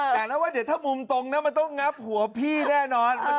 อยากแล้วว่าถ้ามุมตรงมันต้องงับหัวพี่แน่นอน